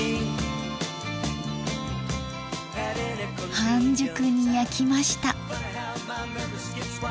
半熟に焼きました。